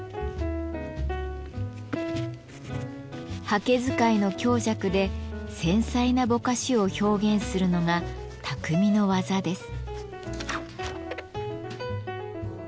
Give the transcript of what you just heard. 刷毛使いの強弱で繊細なぼかしを表現するのが匠の技です。